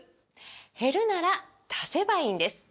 減るなら足せばいいんです！